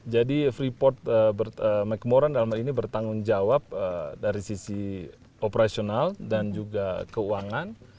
jadi freeport macmoran dalam hal ini bertanggung jawab dari sisi operasional dan juga keuangan